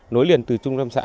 nối liền từ trung tâm xã